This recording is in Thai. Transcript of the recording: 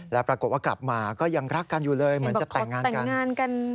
แล้วปรากฏว่ากลับมาก็ยังรักกันอยู่เลยเหมือนจะแต่งงานกัน